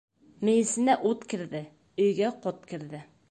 Мейесенә ут керҙе, өйгә ҡот керҙе.